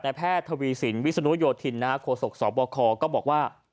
แพทย์ทวีสินวิศนุโยธินโคศกสบคก็บอกว่า